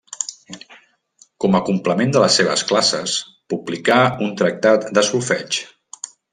Com a complement de les seves classes, publicà un tractat de solfeig.